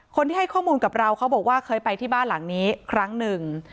คนที่ให้ข้อมูลกับเราเขาบอกว่าเคยไปที่บ้านหลังนี้ครั้งหนึ่ง